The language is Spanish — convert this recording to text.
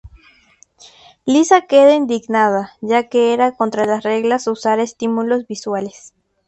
Lisa queda indignada, ya que era contra las reglas usar estímulos visuales.